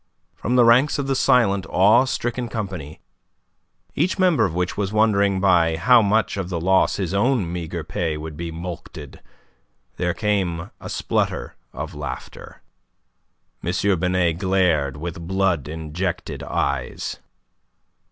From the ranks of the silent, awe stricken company, each member of which was wondering by how much of the loss his own meagre pay would be mulcted, there came a splutter of laughter. M. Binet glared with blood injected eyes.